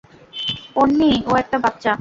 পোন্নি, ও একটা বাচ্চা।